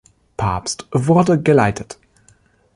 Papst wurde, geleitet.